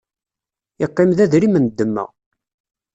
Iqqim d adrim n demma.